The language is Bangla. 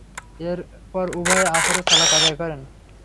এরপর উভয়ে আসরের সালাত আদায় করেন।